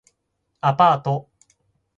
アパート